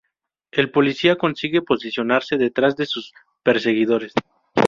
El policía consigue posicionarse detrás de sus perseguidores.